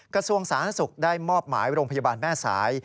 กระทรวงสาธารณสุขได้มอบหมายโรงพยาบาลแม่สาย